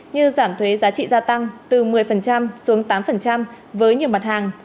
như giảm thuế giá trị gia tăng từ một mươi xuống tám với nhiều mặt hàng